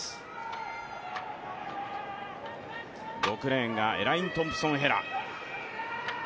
６レーンがエライン・トンプソン・ヘラ。